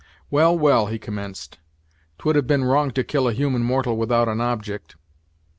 "Well, well," he commenced, "'twould have been wrong to kill a human mortal without an object.